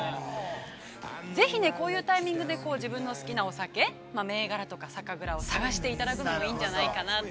ぜひ、こういうタイミングで自分の好きなお酒銘柄とか酒蔵を探していただくのもいいんじゃないかなと。